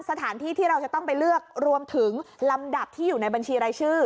สถานที่ที่เราจะต้องไปเลือกรวมถึงลำดับที่อยู่ในบัญชีรายชื่อ